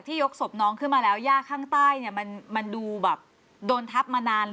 ถ้าเราแตกเติ้ลเงินมา